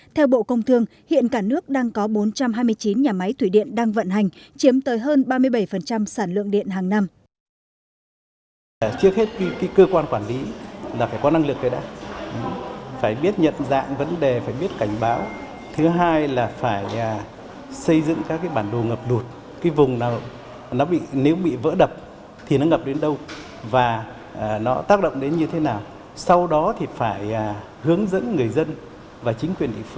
theo bộ công thương hiện cả nước đang có bốn trăm hai mươi chín nhà máy thủy điện đang vận hành chiếm tới hơn ba mươi bảy sản lượng điện hàng năm